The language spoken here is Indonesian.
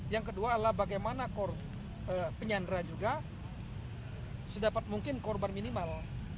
yang kedua adalah bagaimana penyandera juga sedapat mungkin korban minimal